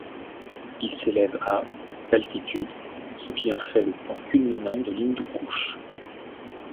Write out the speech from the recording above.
Il s'élève à d'altitude, ce qui en fait le point culminant de l'Hindou Kouch.